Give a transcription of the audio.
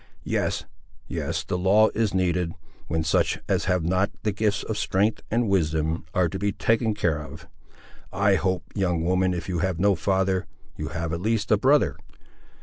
Yes—yes, the law is needed, when such as have not the gifts of strength and wisdom are to be taken care of. I hope, young woman, if you have no father, you have at least a brother."